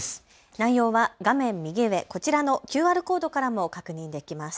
内容は画面右上、こちらのＱＲコードからも確認できます。